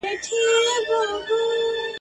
په دې لاپو هسی ځان کرارومه !.